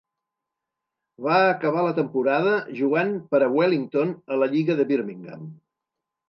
Va acabar la temporada jugant per a Wellington a la lliga de Birmingham.